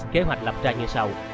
kế hoạch lập ra như sau